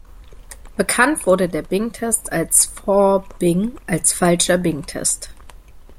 Bekannt wurde der Bing-Test als „Faux-Bing“, als „falscher Bing-Test“.